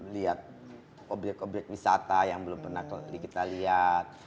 lihat objek obyek wisata yang belum pernah kita lihat